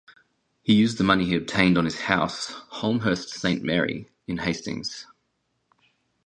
He used the money he obtained on his house "Holmhurst Saint Mary" in Hastings.